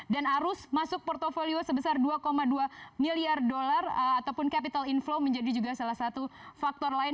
dan arus masuk portfolio sebesar dua dua miliar dollar ataupun capital inflow menjadi juga salah satu faktor lain